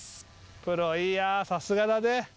プロいやさすがだね。